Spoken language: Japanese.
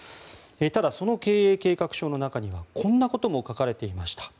ただ、その経営計画書の中にはこんなことも書かれていました。